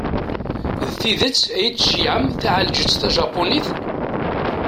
D tidet ad yi-d-tceyyɛem taɛelǧett tajapunit?